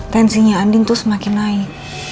tensinya andin itu semakin naik